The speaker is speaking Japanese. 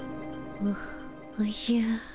おおじゃ。